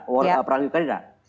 war perang ukraina